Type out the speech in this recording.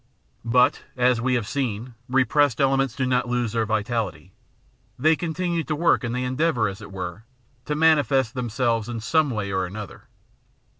But, as we have seen, repressed elements do not lose their vitality ; they continue to work and they endeavour, as it were, to manifest themselves in some way or another.